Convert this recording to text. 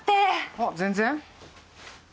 あっ全然。